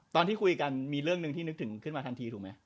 ตอนที่คุยกันมีเรื่องหนึ่งที่นึกถึงขึ้นมาทันทีถูกไหม